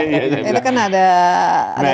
itu kan ada dampak yang terlalu berpengaruh